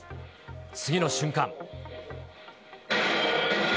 次の瞬間。